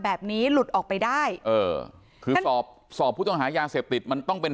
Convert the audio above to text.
แบบนี้หลุดออกไปได้เออคือสอบสอบผู้ต้องหายาเสพติดมันต้องเป็น